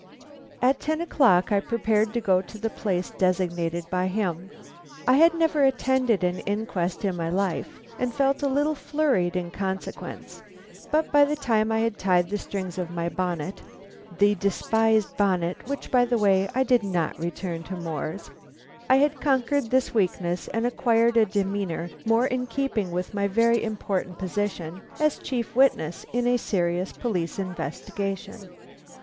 At ten o'clock I prepared to go to the place designated by him. I had never attended an inquest in my life, and felt a little flurried in consequence, but by the time I had tied the strings of my bonnet (the despised bonnet, which, by the way, I did not return to More's), I had conquered this weakness, and acquired a demeanor more in keeping with my very important position as chief witness in a serious police investigation.